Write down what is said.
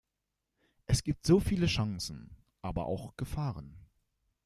Es gibt so viele Chancen, aber auch Gefahren.